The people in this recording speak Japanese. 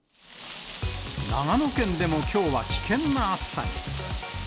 長野県でもきょうは危険な暑さに。